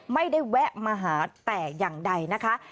ไม่ได้แวะมาหาแต่อย่างใดนะคะ